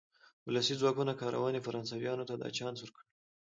ولسي ځواکونو کارونې فرانسویانو ته دا چانس ورکړ.